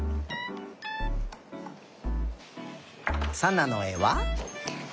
さなのえは。